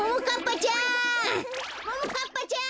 ももかっぱちゃん！